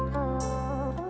cây đa bến nước